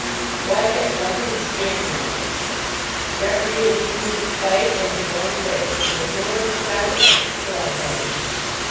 So I kept jumping and stamping on the monster. The referee had given me the fight and had gone away; and, with no one to stop me, I kicked the life out of him."